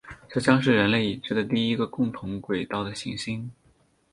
这将是人类已知的第一个共同轨道的行星。